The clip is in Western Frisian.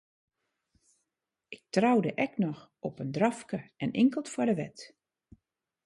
Ik troude ek noch, op in drafke en inkeld foar de wet.